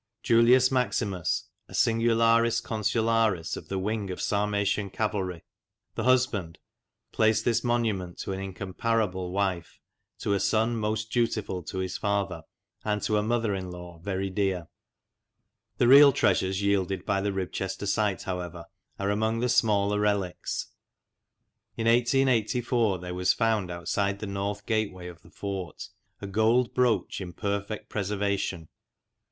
Julius Maximus, a ' singularis consularis ' of the 'wing' of Sarmatian cavalry, the husband, placed this monument to an incomparable wife, to a son most dutiful to his father, and to a mother in law very dear." The real treasures yielded by the Ribchester site, however, are among the smaller relics. In 1884 there was found outside the north gateway of the fort a gold brooch in perfect preser vation.